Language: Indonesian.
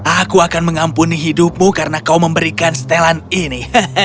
aku akan mengampuni hidupmu karena kau memberikan setelan ini